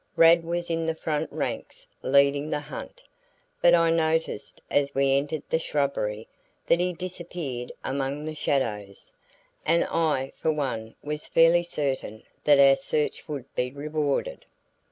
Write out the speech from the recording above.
Rad was in the front ranks leading the hunt, but I noticed as we entered the shrubbery that he disappeared among the shadows, and I for one was fairly certain that our search would be rewarded.